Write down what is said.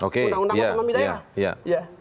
dibawah undang undang lokal di daerah